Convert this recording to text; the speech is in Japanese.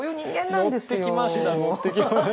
乗ってきました。